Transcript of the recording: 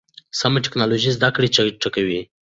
سمه ټکنالوژي زده کړه چټکوي.